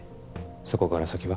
そこから先は？